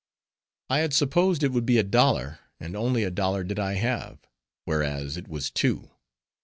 I had supposed it would be but a dollar, and only a dollar did I have, whereas it was two.